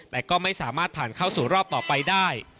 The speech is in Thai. แต่ก็ไม่สามารถผ่านเข้าสู่รอบต่อไปได้